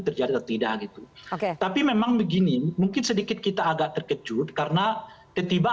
terjadi atau tidak gitu oke tapi memang begini mungkin sedikit kita agak terkejut karena ketiba